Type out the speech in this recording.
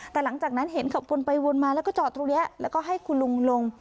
แต่หลังจากนั้นเห็นขับวนไปวนมาแล้วก็จอดตรงนี้แล้วก็ให้คุณลุงลง